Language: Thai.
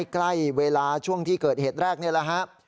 ใกล้เวลาช่วงที่เกิดเหตุแรกนี่แหละครับ